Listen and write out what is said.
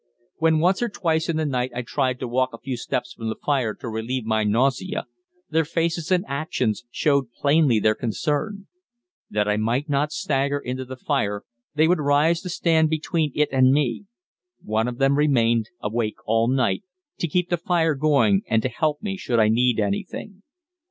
When once or twice in the night I tried to walk a few steps from the fire to relieve my nausea, their faces and actions showed plainly their concern. That I might not stagger into the fire, they would rise to stand between it and me. One of them remained awake all night, to keep the fire going and to help me should I need anything.